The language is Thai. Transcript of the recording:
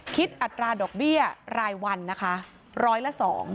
คิดอัตราดอกเบี้ยรายวันนะคะ๑๐๐ละ๒